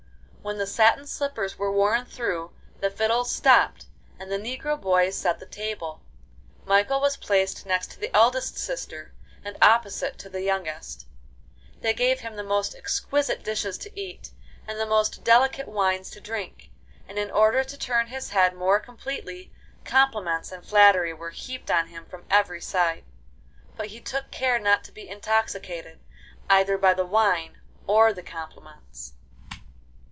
When the satin slippers were worn through the fiddles stopped, and the negro boys set the table. Michael was placed next to the eldest sister, and opposite to the youngest. They gave him the most exquisite dishes to eat, and the most delicate wines to drink; and in order to turn his head more completely, compliments and flattery were heaped on him from every side. But he took care not to be intoxicated, either by the wine or the compliments.